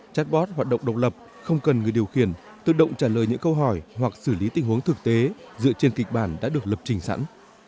chatbot hoạt động độc lập không cần người điều khiển tự động trả lời những câu hỏi hoặc xử lý tình huống thực tế dựa trên kịch bản đã được lập trình sẵn